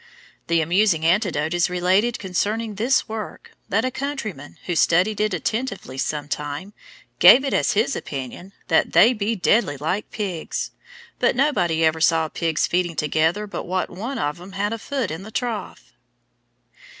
The amusing anecdote is related concerning this work that a countryman, who studied it attentively some time, gave it as his opinion that "they be deadly like pigs; but nobody ever saw pigs feeding together but what one on 'em had a foot in the trough."